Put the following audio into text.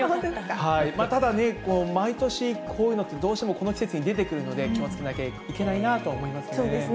ただね、毎年、こういうのって、どうしてもこの季節に出てくるので、気をつけなきゃいけないなとそうですね。